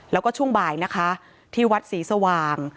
แล้วก็ช่วงบ่ายนะคะที่วัดศรีสว่าง